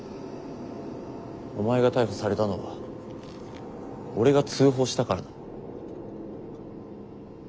お前が逮捕されたのは俺が通報したからだ。